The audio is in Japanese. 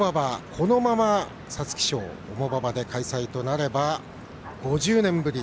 このまま皐月賞重馬場で開催となれば５０年ぶり。